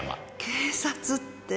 警察って。